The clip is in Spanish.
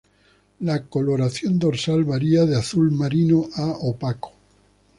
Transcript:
La coloración dorsal varía de azul marino a opaco.